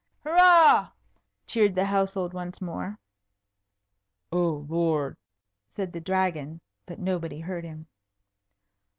"Hurrah!" cheered the household once more. "Oh, Lord!" said the Dragon, but nobody heard him.